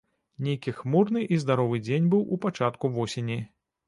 Нейкі хмурны і здаровы дзень быў у пачатку восені.